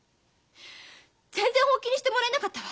全然本気にしてもらえなかったわ。